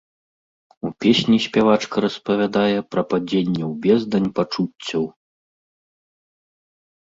У песні спявачка распавядае пра падзенне ў бездань пачуццяў.